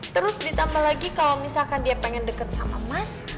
terus ditambah lagi kalau misalkan dia pengen deket sama emas